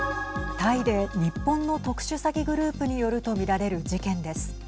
タイで日本の特殊詐欺グループによると見られる事件です。